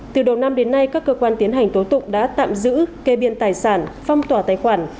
từ đầu năm đến nay các cơ quan tiến hành tố tụng đã tạm giữ kê biên tài sản phong tỏa tài khoản